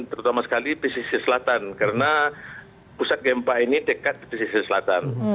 terutama sekali pesisir selatan karena pusat gempa ini dekat pesisir selatan